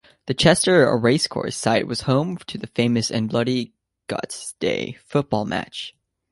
The Chester Racecourse site was home to the famous and bloody Goteddsday football match.